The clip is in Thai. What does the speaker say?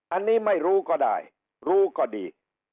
อันนี้ไม่รู้ก็ได้รู้ก็ดี